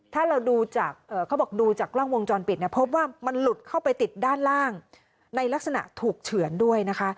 ถ้าเราดูจากเขาบอกดูจากกล้องวงจรปิดเนี่ยพบว่ามันหลุดเข้าไปติดด้านล่างในลักษณะถูกเฉือนด้วยนะคะ